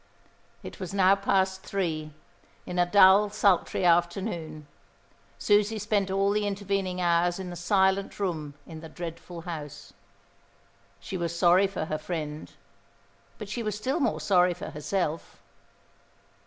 It was now past three, in a dull, sultry afternoon. Susie spent all the intervening hours in the silent room in the dreadful house. She was sorry for her friend; but she was still more sorry for herself.